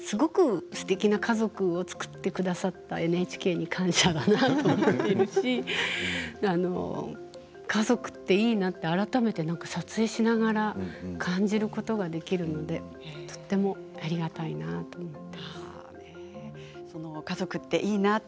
すごくすてきな家族を作ってくださったＮＨＫに感謝だなと思っているし家族っていいなって改めて撮影しながら感じることができるのでとてもありがたいなと思っています。